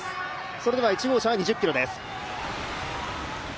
それでは１号車は２０ｋｍです。